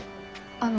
あの。